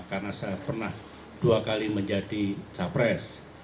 karena saya pernah dua kali menjadi capres